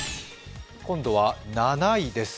今度は７位です。